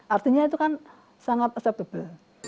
artinya itu kan sangat acceptable